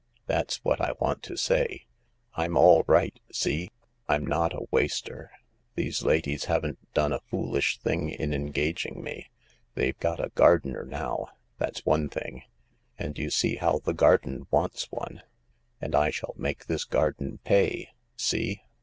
That's what I want to say. I'm all right, see ? I'm not a waster. These ladies haven't done a foolish thing in engaging me : they've got a gardener now, that's one thing— and you see how the garden wants one. And I shall make this garden pay. See?"